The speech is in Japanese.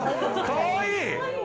かわいい！